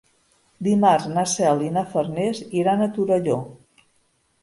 Dimarts na Cel i na Farners iran a Torelló.